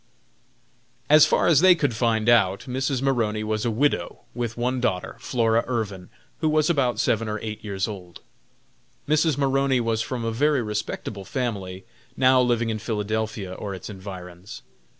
As far as they could find out, Mrs. Maroney was a widow, with one daughter, Flora Irvin, who was about seven or eight years old. Mrs. Maroney was from a very respectable family, now living in Philadelphia or its environs.